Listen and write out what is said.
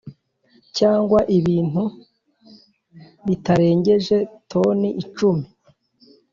cyangwa ibintu bitarengeje toni icumi